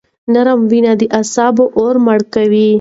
نرمه وینا د غصې اور مړ کوي.